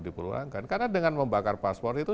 diperluangkan karena dengan membakar paspor itu